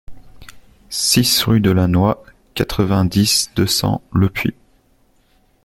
six rue de la Noie, quatre-vingt-dix, deux cents, Lepuix